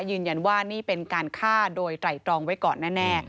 ยืนยันว่านี่เป็นการฆ่าโดยไตรตรองไว้ก่อนแน่